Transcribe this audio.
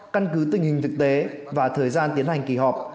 căn cứ tình hình thực tế và thời gian tiến hành kỳ họp